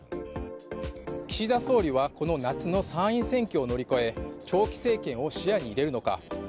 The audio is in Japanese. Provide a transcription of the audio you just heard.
岸田総理は、この夏の参院選挙を乗り越え、長期政権を視野に入れるのか。